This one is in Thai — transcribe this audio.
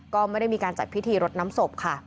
ก็ไม่ได้มีการจัดพิธีรดน้ำศพค่ะ